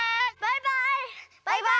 バイバイ！